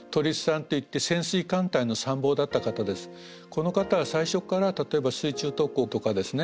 この方は最初から例えば水中特攻とかですね